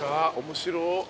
面白。